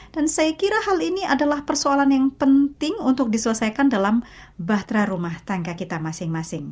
dan saya kira hal ini adalah persoalan yang penting untuk diselesaikan dalam bahtera rumah tangga kita masing masing